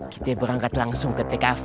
kita berangkat langsung ke tkv